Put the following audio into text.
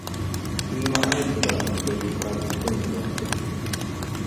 君はアイスが乗っていた皿とスプーンを持って、